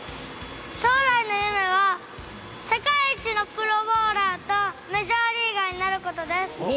将来の夢は世界一のプロボーラーとメジャーリーガーになることです！